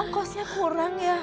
angkosnya kurang ya